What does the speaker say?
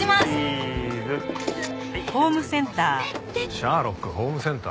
シャーロックホームセンター？